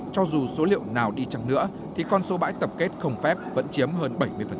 cho dù số liệu nào đi chăng nữa thì con số bãi tập kết không phép vẫn chiếm hơn bảy mươi